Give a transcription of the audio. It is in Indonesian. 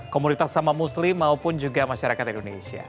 komunitas sama muslim maupun juga masyarakat indonesia